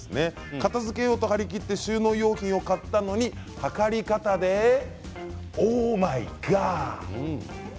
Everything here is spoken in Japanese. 片づけようと張り切って収納用品を買ったのに測り方でオーマイガー。